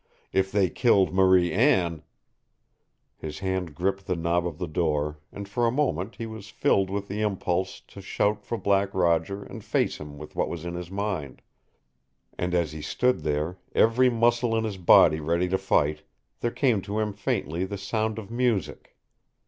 If they killed Marie Anne His hand gripped the knob of the door, and for a moment he was filled with the impulse to shout for Black Roger and face him with what was in his mind. And as he stood there, every muscle in his body ready to fight, there came to him faintly the sound of music.